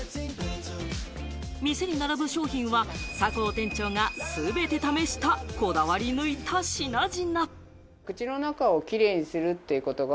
店に並ぶ商品は酒向店長が全て試したこだわり抜いた品々。